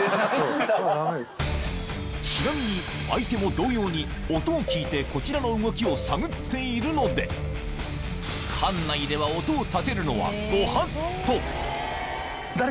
ちなみに相手も同様に音を聞いてこちらの動きを探っているのでそれを。